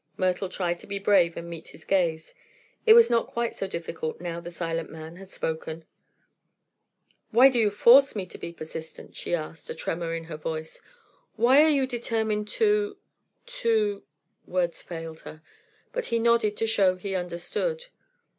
Myrtle tried to be brave and meet his gaze. It was not quite so difficult now the silent man had spoken. "Why do you force me to be persistent?" she asked, a tremor in her voice. "Why are you determined to to " Words failed her, but he nodded to show he understood.